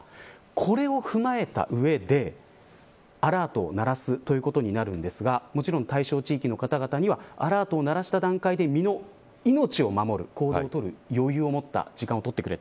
これを踏まえた上でアラートを鳴らすということになるんですけどもちろん対象地域の方々にはアラートを鳴らした段階で命を守る、行動を取る余裕をもった時間を取ってくれ